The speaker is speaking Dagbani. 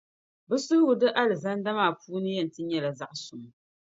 Bɛ suhigu di Alizanda maa puuni yɛn ti nyɛla zaɣ'suŋ.